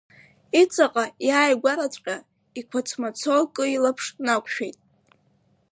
Иҵаҟа, иааигәараҵәҟьа иқәац-мацо акы илаԥш нақәшәеит.